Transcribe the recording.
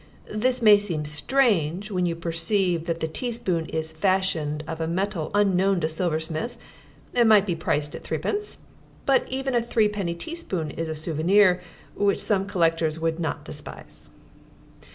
This may seem strange, when you perceive that the teaspoon is fashioned of a metal unknown to silversmiths and might be priced at threepence. But even a threepenny teaspoon is a souvenir which some collectors would not despise.